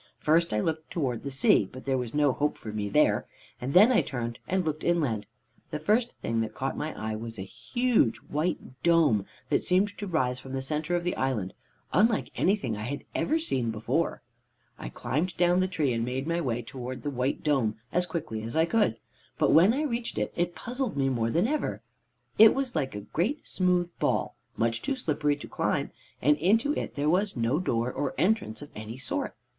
First I looked towards the sea, but there was no hope for me there, and then I turned and looked inland. The first thing that caught my eye was a huge white dome, that seemed to rise from the center of the island, unlike anything I had ever seen before. "I climbed down the tree, and made my way towards the white dome as quickly as I could, but when I reached it, it puzzled me more than ever. It was like a great smooth ball, much too slippery to climb, and into it there was no door or entrance of any sort.